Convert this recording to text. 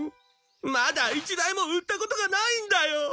まだ一台も売ったことがないんだよ！